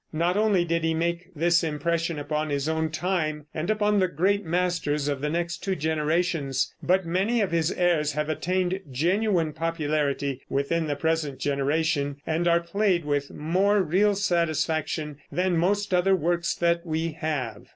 Not only did he make this impression upon his own time and upon the great masters of the next two generations, but many of his airs have attained genuine popularity within the present generation, and are played with more real satisfaction than most other works that we have.